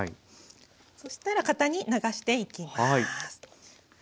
そしたら型に流していきます。